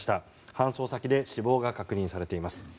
搬送先で死亡が確認されています。